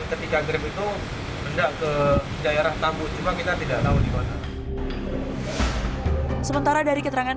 ketika gram itu mendak ke daerah tangguh cuma kita tidak tahu di kota sementara dari keterangan